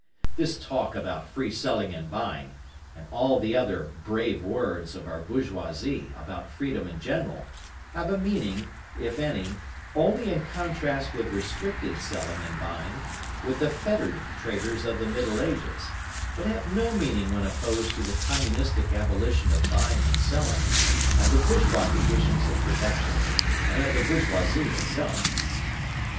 This talk about free selling and buying, and all the other "brave words" of our bourgeoisie about freedom in general, have a meaning, if any, only in contrast with restricted selling and buying, with the fettered traders of the Middle Ages, but have no meaning when opposed to the Communistic abolition of buying and selling, of the bourgeois conditions of production, and of the bourgeoisie itself.